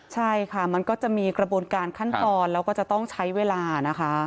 ใช่ค่ะมันก็จะมีกระบวนการขั้นตอนแล้วก็จะต้องใช้เวลานะคะ